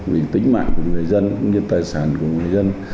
vì tính mạng của người dân cũng như tài sản của người dân